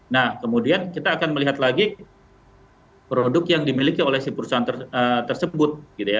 nah kemudian kita akan melihat lagi produk yang dimiliki oleh si perusahaan tersebut